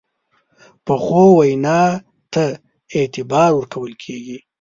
پخو وینا ته اعتبار ورکول کېږي